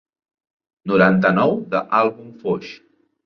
Noranta-nou de Àlbum Foix.